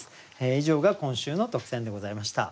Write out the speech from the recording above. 以上が今週の特選でございました。